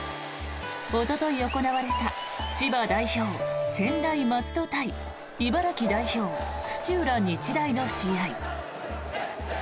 おととい行われた千葉代表、専大松戸対茨城代表、土浦日大の試合。